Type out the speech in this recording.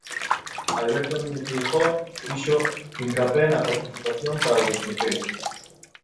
Alberto Núñez Feijóo fixo fincapé na participación para o desbloqueo.